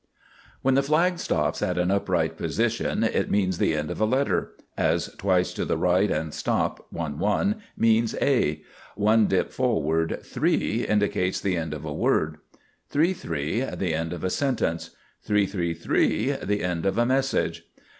When the flag stops at an upright position, it means the end of a letter as, twice to the right and stop (11) means A; one dip forward (3) indicates the end of a word; 33, the end of a sentence; 333, the end of a message.